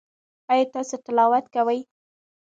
ایا تاسو تلاوت کوئ؟